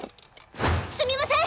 すみません！